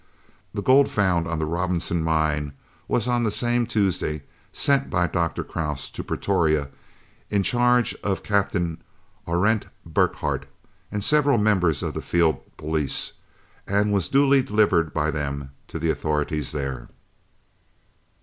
The gold found on the Robinson Mine was on the same Tuesday sent by Dr. Krause to Pretoria in charge of Captain Arendt Burkhardt and several members of the Field Police, and was duly delivered by them to the authorities there.